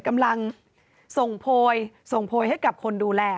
กำลังส่งโพยให้กับคนดูแล